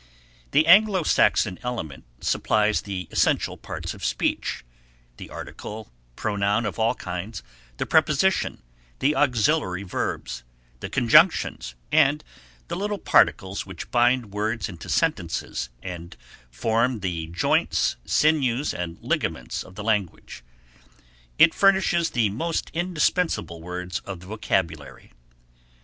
The Anglo Saxon element supplies the essential parts of speech, the article, pronoun of all kinds, the preposition, the auxiliary verbs, the conjunctions, and the little particles which bind words into sentences and form the joints, sinews and ligaments of the language. It furnishes the most indispensable words of the vocabulary.